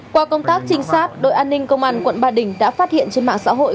qua công tác trinh sát đội an ninh công an quận ba đình đã phát hiện trên mạng xã hội